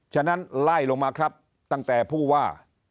ฉะนั้นไล่ลงมาครับตั้งแต่ผู้ว่า